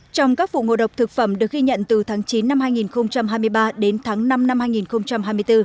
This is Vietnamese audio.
trong các vụ ngộ độc thực phẩm được ghi nhận từ tháng chín năm hai nghìn hai mươi ba đến tháng năm năm hai nghìn hai mươi bốn